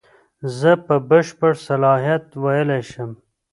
زه په بشپړ صلاحیت ویلای شم.